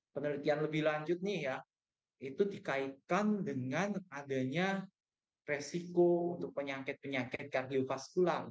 penelitian lebih lanjut ini ya itu dikaitkan dengan adanya resiko penyakit penyakit kardiofaskular